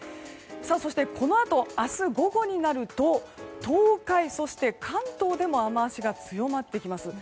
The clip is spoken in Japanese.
そして、このあと明日午後になると東海、そして関東でも雨脚が強まってきます。